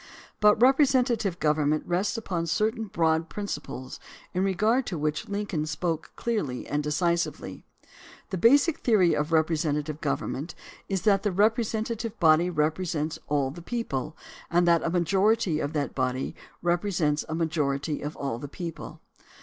But representative government rests upon certain broad principles in regard to which Lincoln spoke clearly and decisively. The basic theory of representative government is that the representative body represents all the people, and that a majority of that body represents a majority of all the people.